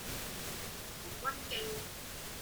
童軍徑